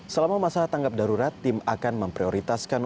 selama masa tanggap darurat tim akan memprioritaskan